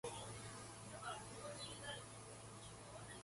But Katiusha, although she still loves him with all her soul, refuses.